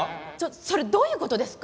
それどういう事ですか！？